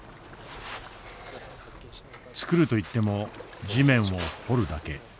作るといっても地面を掘るだけ。